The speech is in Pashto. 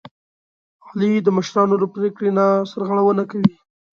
علي د مشرانو له پرېکړې نه سرغړونه کوي.